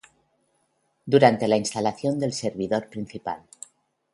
Durante la instalación del servidor principal